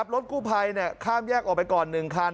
รถกู้ภัยข้ามแยกออกไปก่อน๑คัน